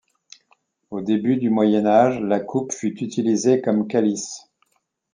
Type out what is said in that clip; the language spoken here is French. Au début du Moyen Âge, la coupe fut utilisée comme calice.